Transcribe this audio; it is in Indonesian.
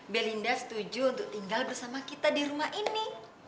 belinda setuju untuk tinggal bersama kita di rumah ini